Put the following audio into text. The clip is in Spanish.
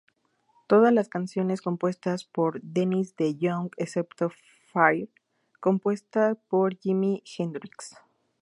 Todas las canciones compuestas por Dennis DeYoung, excepto "Fire", compuesta por Jimi Hendrix.